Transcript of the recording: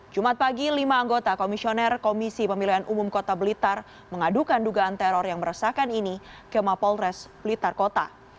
jumat pagi lima anggota komisioner komisi pemilihan umum kota blitar mengadukan dugaan teror yang meresahkan ini ke mapolres blitar kota